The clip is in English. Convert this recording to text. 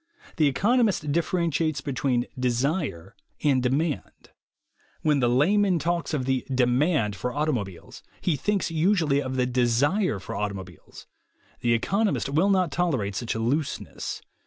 The economist differentiates between "desire" and "demand." When the layman talks of the demand for auto mobiles, he thinks usually of the desire for auto mobiles. The economist will not tolerate such looseness.